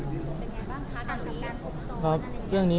เป็นยังไงบ้างคะทางการพบสอนอะไรยังไง